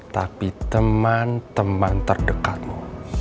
tapi teman teman terdekatmu